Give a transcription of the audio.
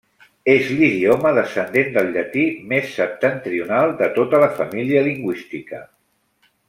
És l'idioma descendent del llatí més septentrional de tota la família lingüística.